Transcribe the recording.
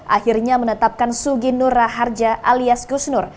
akhirnya menetapkan suginur raharja alias gusnur